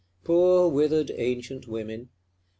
Poor withered ancient women!